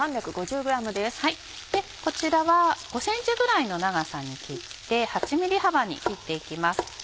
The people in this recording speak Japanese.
こちらは５ｃｍぐらいの長さに切って８ｍｍ幅に切って行きます。